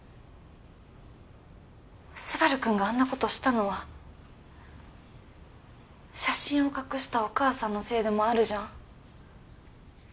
昴くんがあんな事したのは写真を隠したお母さんのせいでもあるじゃん。